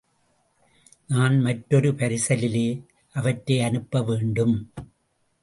நான் மற்றொரு பரிசலிலே அவற்றை அனுப்ப வேண்டும்!